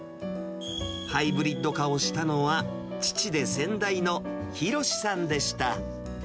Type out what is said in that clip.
ハイブリッド化をしたのは、父で先代の寛さんでした。